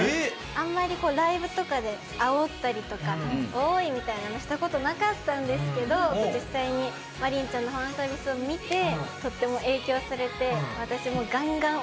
あんまりライブとかであおったりとか「おーい」みたいなのした事なかったんですけど実際にマリンちゃんのファンサービスを見てとっても影響されてへえ！